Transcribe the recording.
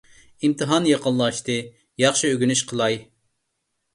ئىمتىھان يېقىنلاشتى. ياخشى ئۆگىنىش قىلاي